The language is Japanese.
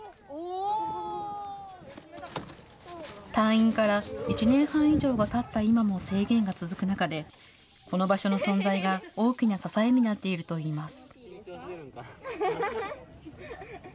退院から１年半以上がたった今も制限が続く中で、この場所の存在が大きな支えになっているといいます。